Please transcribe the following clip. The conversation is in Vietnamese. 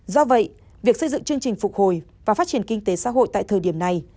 do vậy việc xây dựng chương trình phục hồi và phát triển kinh tế xã hội tại thời điểm này